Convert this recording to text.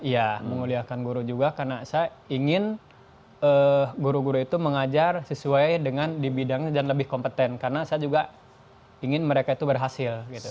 ya menguliakan guru juga karena saya ingin guru guru itu mengajar sesuai dengan di bidangnya dan lebih kompeten karena saya juga ingin mereka itu berhasil